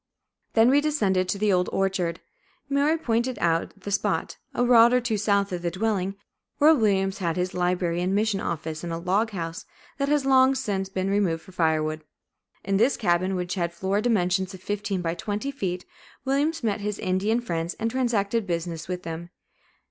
Then we descended to the old orchard. Mary pointed out the spot, a rod or two south of the dwelling, where Williams had his library and mission office in a log house that has long since been removed for firewood. In this cabin, which had floor dimensions of fifteen by twenty feet, Williams met his Indian friends and transacted business with them.